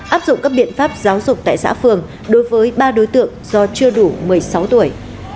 áp dụng các biện pháp giáo dục tại xã phường đối với ba đối tượng do chưa đủ một mươi sáu tuổi